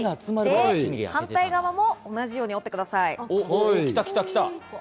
反対側も同じように折ってください。